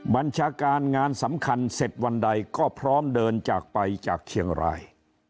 บัญชาการงานสำคัญเสร็จวันใดก็พร้อมเดินจากไปจากเชียงราย